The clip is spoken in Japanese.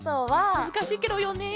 むずかしいケロよね。